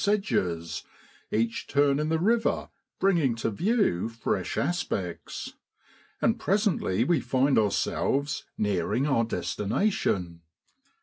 sedges, each turn in the river bringing to view fresh aspects; and presently we find ourselves nearing our destination.